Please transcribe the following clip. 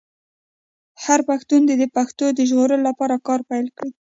هر پښتون دې د پښتو د ژغورلو لپاره کار پیل کړي.